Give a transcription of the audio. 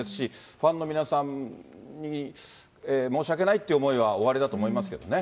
ファンの皆さんに申し訳ないという気持ちはおありだと思いますけ